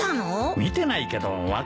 見てないけど分かるよ。